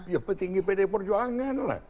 ya petinggi pdi perjuangan lah